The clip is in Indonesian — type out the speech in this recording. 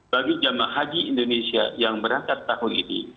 bagi jemaah haji indonesia yang berangkat tahun ini